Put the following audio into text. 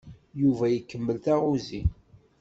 Yuba ikemmel taɣuzi.